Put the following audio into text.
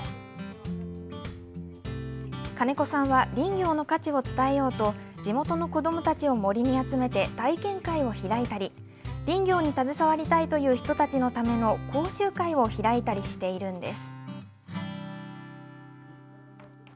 金子さんは林業の価値を伝えようと、地元の子どもたちを森に集めて体験会を開いたり、林業に携わりたいという人たちのための講習会を開いたりしているんです。